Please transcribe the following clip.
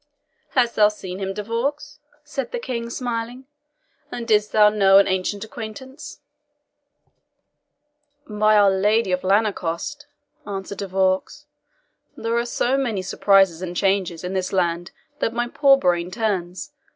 "Hast thou seen him, De Vaux?" said the King, smiling; "and didst thou know an ancient acquaintance?" "By our Lady of Lanercost," answered De Vaux, "there are so many surprises and changes in this land that my poor brain turns.